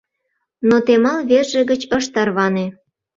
Но Темал верже гыч ыш тарване.